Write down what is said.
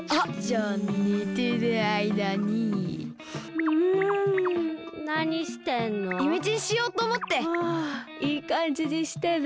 あいいかんじにしてね。